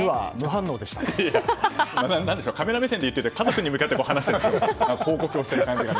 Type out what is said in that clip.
カメラ目線で言っていると家族に向かって話しているというか、報告している感じが。